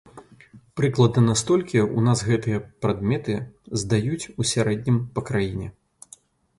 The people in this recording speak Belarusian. Прыкладна на столькі ў нас гэтыя прадметы здаюць у сярэднім па краіне!